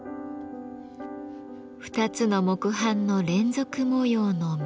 ２つの木版の連続模様の妙。